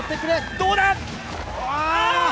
どうだ？